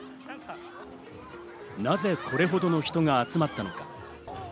なぜこれほどの人が集まったのか？